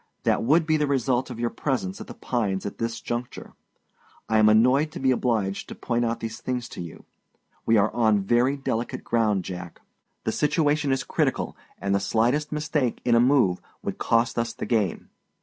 That would be the result of your presence at The Pines at this juncture. I am annoyed to be obliged to point out these things to you. We are on very delicate ground, Jack; the situation is critical, and the slightest mistake in a move would cost us the game.